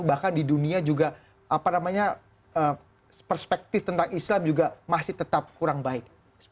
bahkan di dunia juga perspektif tentang islam juga masih tetap kurang baik